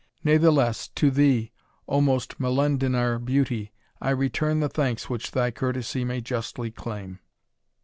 Natheless, to thee, O most Molendinar beauty, I return the thanks which thy courtesy may justly claim."